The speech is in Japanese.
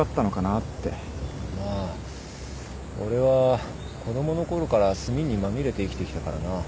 まあ俺は子供のころから墨にまみれて生きてきたからな。